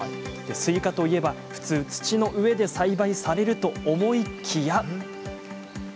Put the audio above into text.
スイカといえば、普通土の上で栽培されると思いきや